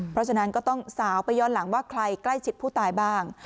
เพราะฉะนั้นก็ต้องสาวไปย้อนหลังว่าใครใกล้ชิดผู้ตายบ้าง